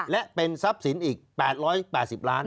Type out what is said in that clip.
และเป็นทรัพย์สินอีก๘๘๐ล้าน